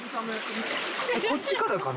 こっちからかな？